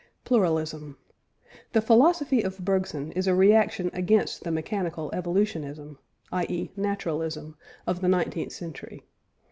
PLURALISM. The philosophy of Bergson is a reaction against the mechanical evolutionism (i.e. naturalism) of the nineteenth century.